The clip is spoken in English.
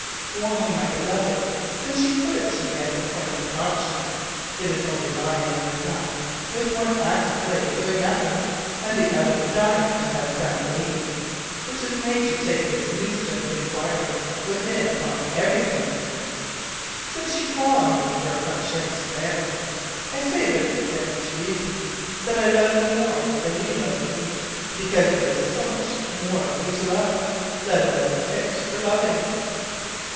Why, my Beloved: Since you put it to me as a point of conscience (it is only lying on your back with one active leg doing nothing, and the other dying to have done aching, which has made you take this new start of inquiring within upon everything), since you call on me for a conscientious answer, I say that it stands to reason that I love you more than you love me, because there is so much more of you to love, let alone fit for loving.